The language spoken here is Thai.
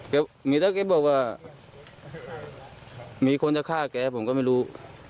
แล้วแกบอกว่ามีคนจะฆ่าแกผมก็ไม่รู้